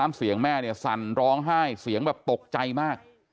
มันต้องให้เสียงแบบตกใจมาก